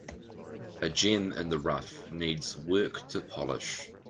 A gem in the rough needs work to polish.